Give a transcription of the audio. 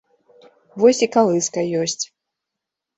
Вось і калыска ёсць!